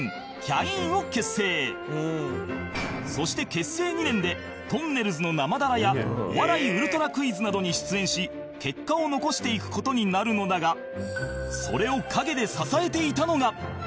そして結成２年で『とんねるずの生ダラ』や『お笑いウルトラクイズ！！』などに出演し結果を残していく事になるのだがそれを陰で支えていたのが